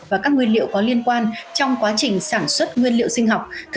và các nguyên liệu có liên quan trong quá trình sản xuất nguyên liệu sinh học